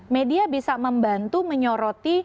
media bisa membantu menyorot